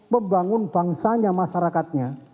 membangun bangsanya masyarakatnya